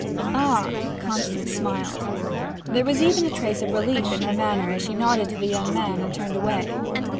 'Ah!' Constance smiled; there was even a trace of relief in her manner as she nodded to the young man and turned away.